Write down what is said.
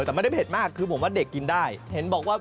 แต่ไม่ได้เผ็ดมากผมบอกว่าเด็กน่ากินได้